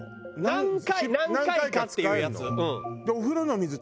何回何回かっていうやつ。